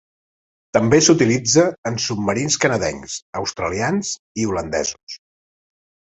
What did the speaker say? També s'utilitza en submarins canadencs, australians i holandesos.